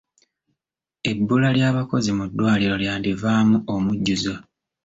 Ebbula ly'abakozi mu ddwaliro lyandivaamu omujjuzo.